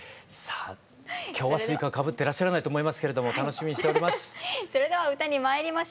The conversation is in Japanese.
今日はすいかをかぶってらっしゃらないと思いますけれども楽しみにしております。